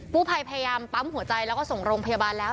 ผู้ภัยพยายามปั๊มหัวใจแล้วก็ส่งโรงพยาบาลแล้ว